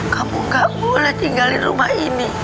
kamu gak boleh tinggalin rumah ini